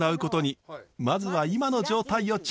まずは今の状態をチェック。